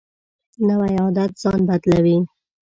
نوی عادت ځان بدلوي